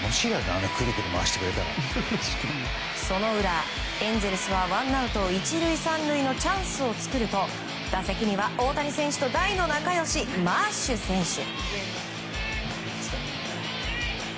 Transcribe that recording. その裏、エンゼルスはワンアウト１塁３塁のチャンスを作ると打席には大谷選手と大の仲良しマーシュ選手。